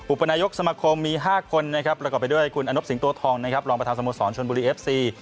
ปนายกสมคมมี๕คนนะครับประกอบไปด้วยคุณอนบสิงโตทองนะครับรองประธานสโมสรชนบุรีเอฟซี